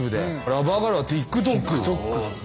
ラバーガールはＴｉｋＴｏｋ。